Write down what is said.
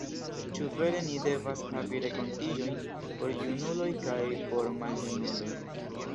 Ĉu vere ni devas havi renkontiĝojn por junuloj kaj por maljunuloj?